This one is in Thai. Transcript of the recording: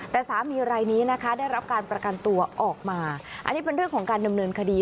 แต่สามีรายนี้นะคะได้รับการประกันตัวออกมาอันนี้เป็นเรื่องของการดำเนินคดี